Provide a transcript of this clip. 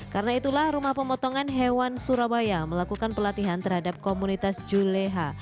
karena itulah rumah pemotongan hewan surabaya melakukan pelatihan terhadap komunitas juleha